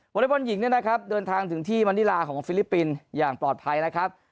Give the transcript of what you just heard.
อเล็กบอลหญิงเนี่ยนะครับเดินทางถึงที่มันนิลาของฟิลิปปินส์อย่างปลอดภัยนะครับ